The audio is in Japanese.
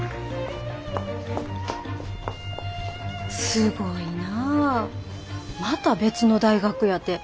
すごいなぁまた別の大学やて。